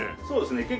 そうですね。